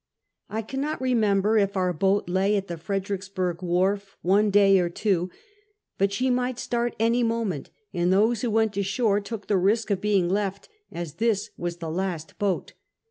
I CANNOT remember if our boat lay at the Fredricks burg wharf one day or two; but she might start any moment, and those who went ashore took the risk of being left, as this was the last boat.